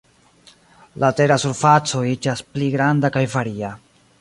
La tera surfaco iĝas pli granda kaj varia.